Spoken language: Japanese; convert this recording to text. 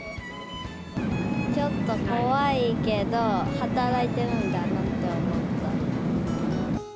ちょっと怖いけど、働いてるんだなって思った。